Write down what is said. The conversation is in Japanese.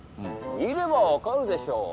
見れば分かるでしょ。